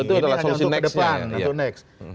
itu masalah solusi next ya